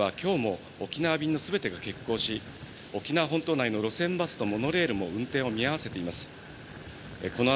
全日空と日本航空グループはきょうも沖縄便の全てが欠航し、沖縄本島内の路線バスとモノレールも運転を見合わせています。